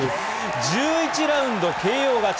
１１ラウンドＫＯ勝ち。